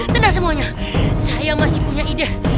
tenang semuanya saya masih punya ide